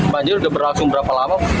banjir sudah berlangsung berapa lama